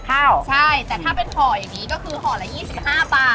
กว่าจะมีความติดเปรี้ยวออกมานิดนึงอ่ะ